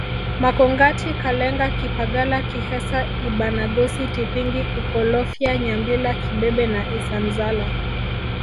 Makongati Kalenga kipagala kihesa Ibanagosi Tipingi Ikolofya Nyambila kibebe na Isanzala